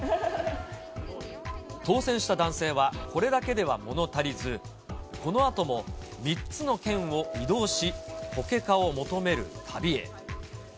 当せんした男性は、これだけでは物足りず、このあとも３つの県を移動し、ポケカを求める旅へ。